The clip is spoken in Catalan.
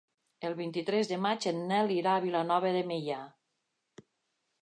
El vint-i-tres de maig en Nel irà a Vilanova de Meià.